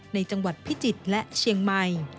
ในจังหวัดพิจิตรและเชียงใหม่